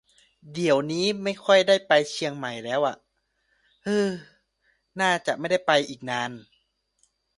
เดี่ยวนี้ไม่ค่อยได้ไปเชียงใหม่แล้วอ่า ฮือ น่าจะไม่ได้ไปอีกนาน